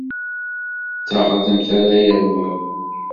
D taɣdemt ara yernun.